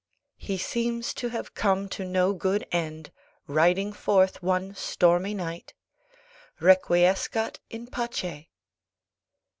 + He seems to have come to no good end, riding forth one stormy night. Requiescat in pace!